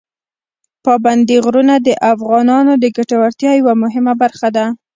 پابندي غرونه د افغانانو د ګټورتیا یوه مهمه برخه ده.